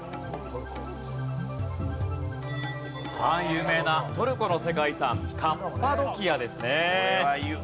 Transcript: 有名なトルコの世界遺産カッパドキアですね。